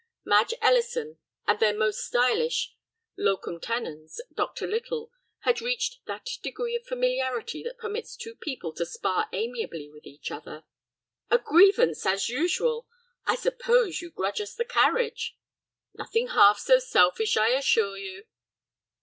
Madge Ellison, and their most stylish locum tenens, Dr. Little, had reached that degree of familiarity that permits two people to spar amiably with each other. "A grievance, as usual! I suppose you grudge us the carriage?" "Nothing half so selfish, I assure you."